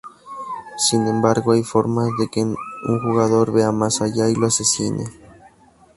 Sin embargo, hay formas de que un jugador "vea más allá" y lo asesine.